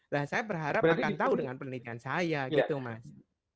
nah saya berharap akan tahu dengan penelitian saya gitu mas